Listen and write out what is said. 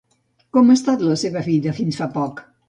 Com ha estat la seva vida fins fa poc?